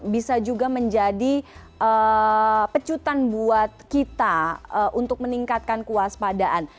bisa juga menjadi pecutan buat kita untuk meningkatkan kewaspadaan